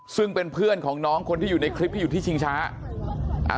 ซึ่งเป็นเพื่อนของน้องคนที่อยู่ในคลิปที่อยู่ที่ชิงช้า